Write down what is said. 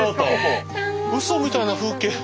うそみたいな風景。